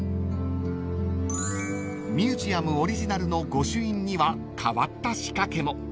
［ミュージアムオリジナルの御朱印には変わった仕掛けも］